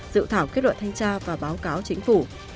dự thảo kết luận thanh tra và báo cáo chính phủ